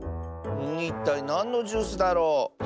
いったいなんのジュースだろう？